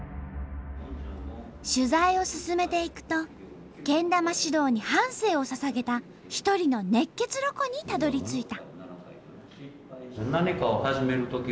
取材を進めていくとけん玉指導に半生をささげた一人の熱血ロコにたどりついた。